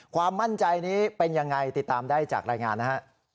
ความมั่นใจนี้เป็นยังไงติดตามได้จากรายงานนะฮะ